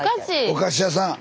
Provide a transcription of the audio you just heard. お菓子屋さん。